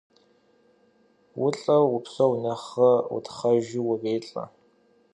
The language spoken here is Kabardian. Vulh'eu vupseu nexhre, vutxheu vurêlh'e.